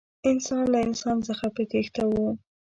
انسان له انسان څخه په تېښته و.